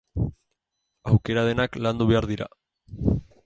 Aukera denak landu behar dira.